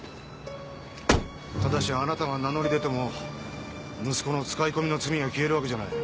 ただしあなたが名乗り出ても息子の使い込みの罪が消えるわけじゃない。